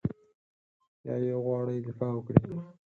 یا یې وغواړي دفاع وکړي.